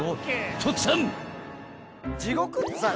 ［とっつぁん！］